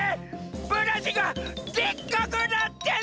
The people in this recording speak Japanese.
ブラシがでっかくなってる！